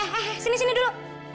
eh eh eh sini sini dulu